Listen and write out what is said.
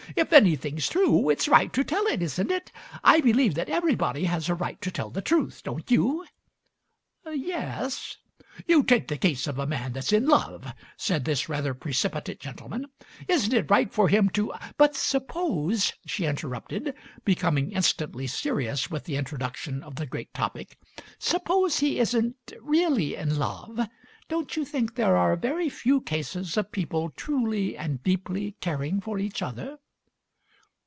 "If anything's true it's right to tell it, isn't it? I believe that everybody has a right to tell the truth, don't you?" "Ye es " "You take the case of a man that's in love/' said this rather precipitate gentleman; "isn't it right for him to " "But suppose," she interrupted, becoming in stantly serious with the introduction of the great topic — "Suppose he isn't really in love. Don't you think there are very few cases of people truly and deeply caring for each other?"